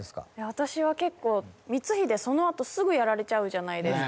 私は結構光秀そのあとすぐやられちゃうじゃないですか。